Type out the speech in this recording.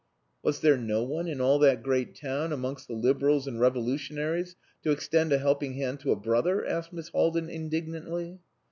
"Was there no one in all that great town amongst the liberals and revolutionaries, to extend a helping hand to a brother?" asked Miss Haldin indignantly.